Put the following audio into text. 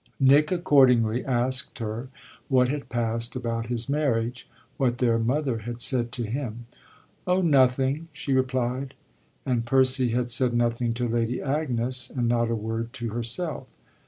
Nick accordingly asked her what had passed about his marriage what their mother had said to him. "Oh nothing," she replied; and Percy had said nothing to Lady Agnes and not a word to herself.